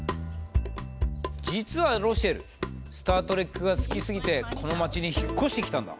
実はロシェル「スター・トレック」が好きすぎてこの町に引っ越してきたんだ。